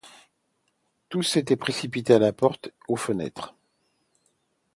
Tous s’étaient précipités à la porte, aux fenêtres.